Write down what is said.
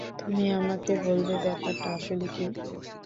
তুমি আমাকে বলবে ব্যাপারটা আসলে কী?